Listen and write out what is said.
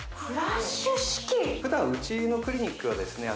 普段うちのクリニックはですね